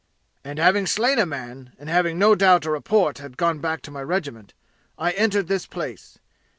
And having slain a man, and having no doubt a report had gone back to the regiment, I entered this place.